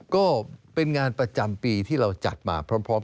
ก็เป็นงานประจำปีที่เราจัดมาพร้อม